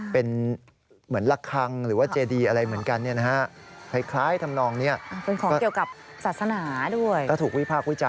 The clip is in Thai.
เป็นเหมือนละคังหรือว่าเจดีอะไรเหมือนกันเนี่ยนะฮะ